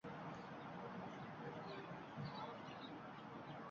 elektron raqamli imzo yopiq kaliti egasining arizasi asosida, arizada ko‘rsatilgan muddatga